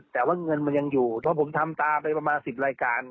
แต่ว่าเงินมันยังอยู่เพราะผมทำตาไปประมาณ๑๐รายการ